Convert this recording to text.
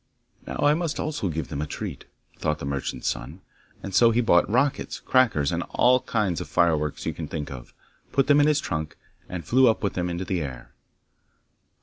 'Now I must also give them a treat,' thought the merchant's son. And so he bought rockets, crackers, and all the kinds of fireworks you can think of, put them in his trunk, and flew up with them into the air.